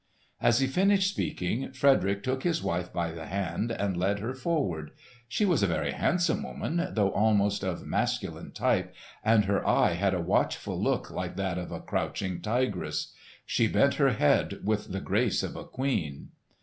As he finished speaking, Frederick took his wife by the hand and led her forward. She was a very handsome woman, though almost of masculine type, and her eye had a watchful look like that of a crouching tigress. She bent her head with the grace of a queen.